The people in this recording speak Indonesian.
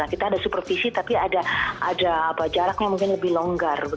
kita ada supervisi tapi ada jaraknya mungkin lebih longgar